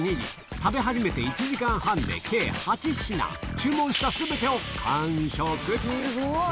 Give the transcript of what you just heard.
食べ始めて１時間半で計８品、注文したすべてを完食。